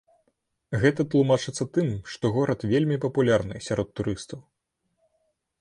Гэта тлумачыцца тым, што горад вельмі папулярны сярод турыстаў.